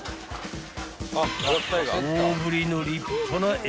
［大ぶりの立派な］